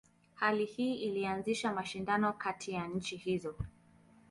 Hali hii ilianzisha mashindano kati ya nchi hizo.